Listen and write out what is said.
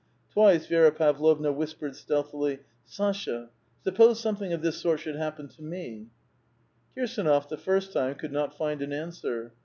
Twice Vi6ra Pavlovna whispered stealthily, " Sasha, suppose some thing of this sort should happen to me ?" Kirsdnof, the first time, could not find an answer.